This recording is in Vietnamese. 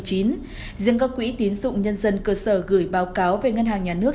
riêng các quỹ tiến dụng nhân dân cơ sở gửi báo cáo về ngân hàng nhà nước